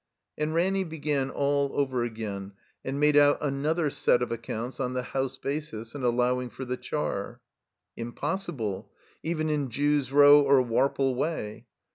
And Ranny began all over again and made out another set of accotmts on the house basis and allow ing for the char. Impossible; even in Jew's Row or Warple Way.